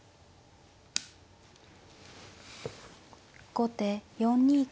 後手４二角。